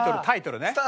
タイトルね。